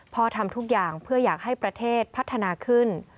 ทำทุกอย่างเพื่ออยากให้ประเทศพัฒนาขึ้น